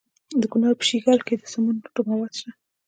د کونړ په شیګل کې د سمنټو مواد شته.